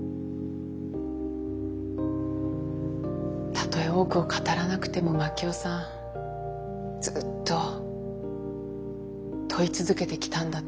たとえ多くを語らなくても真樹夫さんずっと問い続けてきたんだと思う。